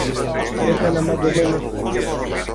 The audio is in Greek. έκανα μαγκωμένος.